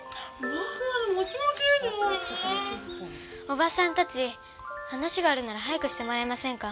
おばさんたち話があるなら早くしてもらえませんか。